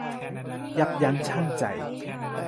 ยับยั้งชั่งใจ